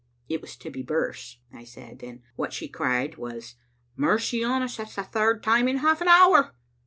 " '*It was Tibbie Birse," I said, "and what she cried was, 'Mercy on us, that's the third time in half an hour!'